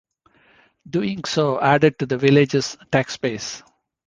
Doing so added to the village's tax base.